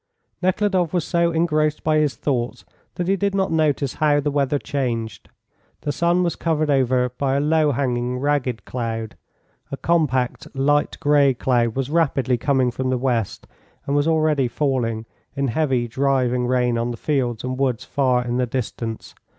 Nekhludoff was so engrossed by his thoughts that he did not notice how the weather changed. The sun was covered over by a low hanging, ragged cloud. A compact, light grey cloud was rapidly coming from the west, and was already falling in heavy, driving rain on the fields and woods far in the distance.